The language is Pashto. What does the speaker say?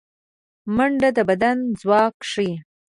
منډه د بدن ځواک ښيي